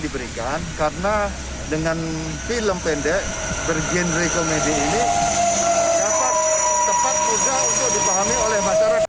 diberikan karena dengan film pendek bergenre komedi ini dapat tepat mudah untuk dipahami oleh masyarakat